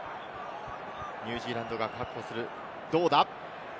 ニュージーランドが確保する。